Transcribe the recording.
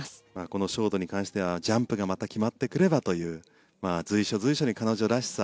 このショートに関してはジャンプがまた決まってくればという随所、随所に彼女らしさ